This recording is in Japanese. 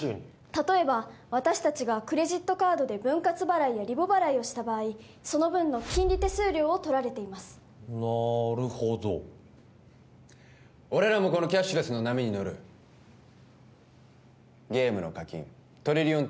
例えば私達がクレジットカードで分割払いやリボ払いをした場合その分の金利手数料を取られていますなるほど俺らもこのキャッシュレスの波に乗るゲームの課金トリリオン